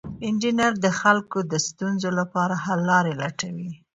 انجینر د خلکو د ستونزو لپاره حل لارې لټوي.